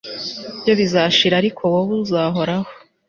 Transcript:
byo bizashira, ariko wowe uzahoraho